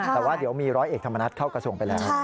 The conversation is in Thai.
แต่ว่าเดี๋ยวมีร้อยเอกธรรมนัฐเข้ากระทรวงไปแล้ว